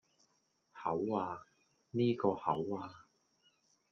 口呀,呢個口呀